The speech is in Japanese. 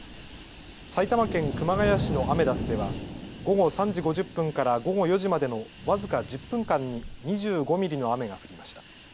埼玉県熊谷市のアメダスでは午後３時５０分から午後４時までの僅か１０分間に２５ミリの雨が降りました。